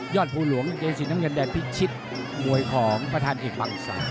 ภูหลวงกางเกงสีน้ำเงินแดงพิชิตมวยของประธานเอกบัง๓